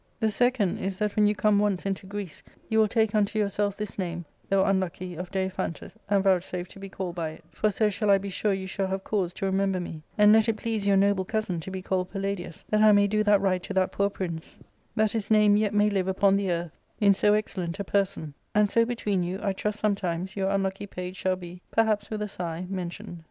The second is, that when you come once into Greece, you will take unto yourself this name, though un lucky, of Daiphantus, and vouchsafe to be called by it : for so shall I be sure you shall have cause to remember me ; and let it please your noble cousin to be called Palladius, that I may do that right to that poor prince, that his name yet may live upon the earth in so excellent a person ; and so between you I trust sometimes your unlucky page shall be, perhaps with a sigh, mentioned.